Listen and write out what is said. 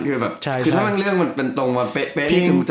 คือแบบถ้าเรื่องมันเป็นตรงว่าเป๊ะนี่ก็จะตลกมาก